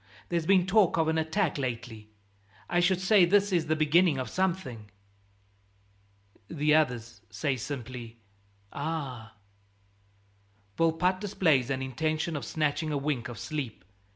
"There's been talk of an attack lately; I should say this is the beginning of something." The others say simply, "Ah!" Volpatte displays an intention of snatching a wink of sleep.